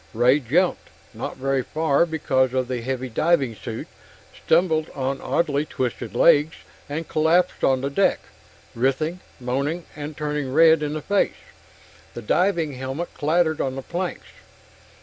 Ray jumped, not very far because of the heavy diving suit, stumbled on oddly twisted legs, and collapsed on the deck, writhing, moaning, and turning red in the face. The diving helmet clattered on the planks.